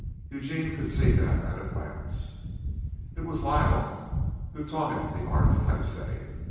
Eugene could see that at a glance. It was Lyle who taught him the art of type setting.